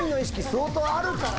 相当あるからね